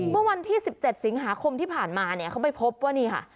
เมื่อวันที่๑๗สิงหาคมที่ผ่านมาเขาไปพบว่า